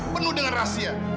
penuh dengan rahasia